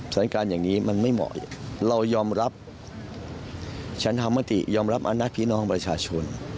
สถานการณ์อย่างนี้มันไม่เหมาะเรายอมรับฉันธรรมติยอมรับอำนาจพี่น้องประชาชน